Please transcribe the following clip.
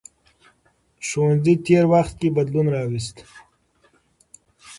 ښوونځي تېر وخت کې بدلون راوست.